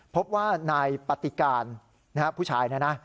พบว่านายปฏิการผู้ชายนะนะ